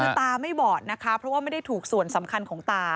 คือตาไม่บอดนะคะเพราะว่าไม่ได้ถูกส่วนสำคัญของตา